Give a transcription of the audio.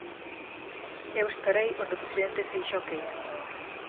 Eu estarei onde o presidente Feixóo queira.